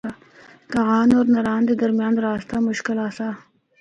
کاغان اور ناران دے درمیان رستہ مشکل آسا۔